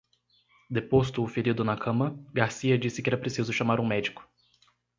Deposto o ferido na cama, Garcia disse que era preciso chamar um médico.